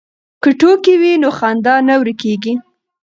که ټوکې وي نو خندا نه ورکېږي.